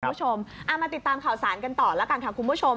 คุณผู้ชมเอามาติดตามข่าวสารกันต่อแล้วกันค่ะคุณผู้ชม